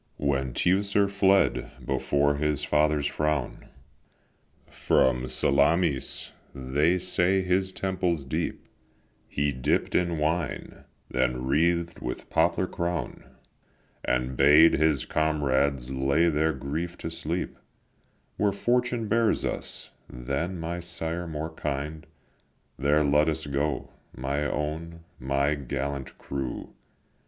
When Teucer fled before his father's frown From Salamis, they say his temples deep He dipp'd in wine, then wreath'd with poplar crown, And bade his comrades lay their grief to sleep: "Where Fortune bears us, than my sire more kind, There let us go, my own, my gallant crew.